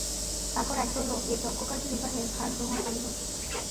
তারপর একদল লোক এই যজ্ঞকার্য নির্বাহের ভার গ্রহণ করিলেন।